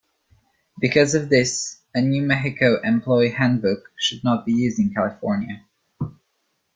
Because of this, a New Mexico employee handbook should not be used in California.